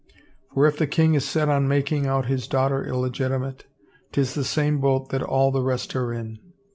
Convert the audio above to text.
For if the king is set on making out his daughter illegitimate — 'tis the same boat that all the rest are in